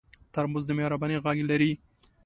ترموز د مهربانۍ غږ لري.